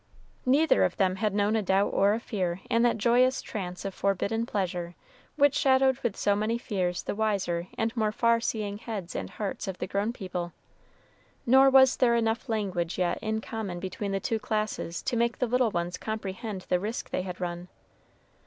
Neither of them had known a doubt or a fear in that joyous trance of forbidden pleasure which shadowed with so many fears the wiser and more far seeing heads and hearts of the grown people; nor was there enough language yet in common between the two classes to make the little ones comprehend the risk they had run.